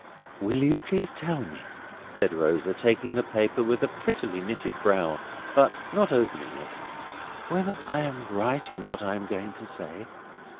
"Will you please tell me," said Rosa, taking the paper with a prettily knitted brow, but not opening it: "whether I am right in what I am going to say?